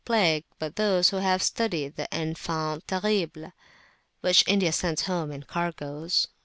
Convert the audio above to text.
293] those who have studied the "enfan[t]s terribles" which India sends home in cargoes.